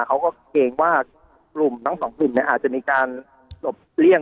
เขาก็เกรงว่ากลุ่มทั้งสองกลุ่มเนี่ยอาจจะมีการหลบเลี่ยง